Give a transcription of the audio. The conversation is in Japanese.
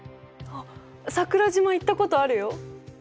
あっ桜島行ったことあるよ！